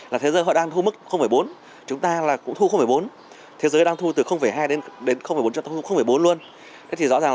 là thế giới họ đang thu mức bốn chúng ta là cũng thu bốn thế giới đang thu từ hai đến bốn chúng ta thu bốn luôn